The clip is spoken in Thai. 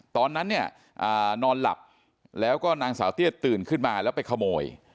ตอนนั้นเนี่ยนอนหลับแล้วก็นางสาวเตี้ยตื่นขึ้นมาแล้วไปขโมย